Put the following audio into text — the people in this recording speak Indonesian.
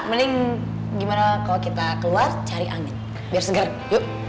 meling gimana kalau kita keluar cari angin biar segar yuk